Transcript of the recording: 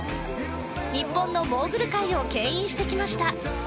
日本のモーグル界を牽引してきました